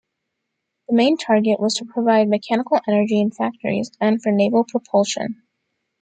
The main target was to provide mechanical energy in factories and for naval propulsion.